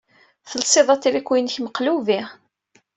Telsiḍ atriku-inek meqlubi.